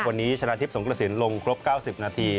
วันนี้ชนะทิพย์สงกระสินลงครบ๙๐นาที